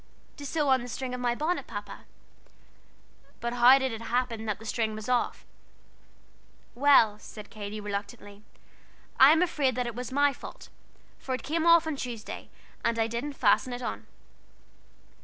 "To sew on the string of my bonnet, Papa." "But how did it happen that the string was off?" "Well," said Katy, reluctantly, "I am afraid that was my fault, for it came off on Tuesday, and I didn't fasten it on."